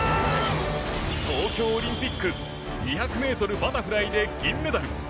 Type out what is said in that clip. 東京オリンピック２００ｍバタフライで銀メダル。